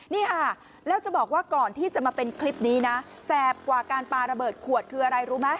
นี่ค่ะแล้วจะบอกว่าก่อนที่จะมาเป็นคลิปนี้นะแสบกว่าการปลาระเบิดขวดคืออะไรรู้ไหม